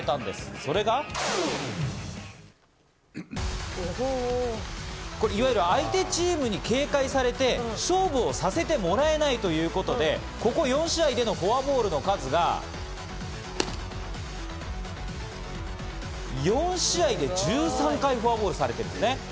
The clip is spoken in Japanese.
それがいわゆる相手チームに警戒されて、勝負をさせてもらえないということで、ここ４試合でのフォアボールの数が、４試合で１３回、フォアボールされてるんですね。